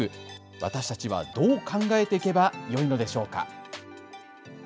私たちは、どう考えていけばよいのでしょうか。